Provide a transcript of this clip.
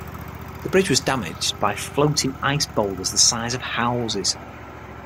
The bridge was damaged by floating ice boulders the size of houses.